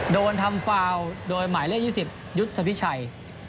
โดนทำฟาวโดยหมายเลข๒๐ยุทธพิชัย